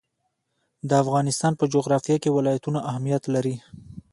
د افغانستان په جغرافیه کې ولایتونه اهمیت لري.